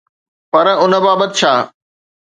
پر ان بابت ڇا؟